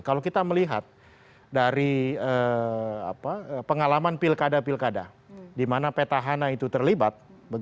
kalau kita melihat dari pengalaman pilkada pilkada di mana petahana itu terlibat